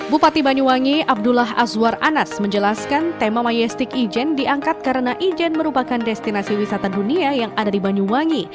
bupati banyuwangi abdullah azwar anas menjelaskan tema mayastik ijen diangkat karena ijen merupakan destinasi wisata dunia yang ada di banyuwangi